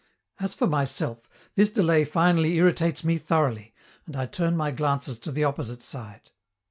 As for myself, this delay finally irritates me thoroughly, and I turn my glances to the opposite side.